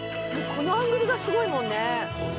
このアングルがすごいもんね。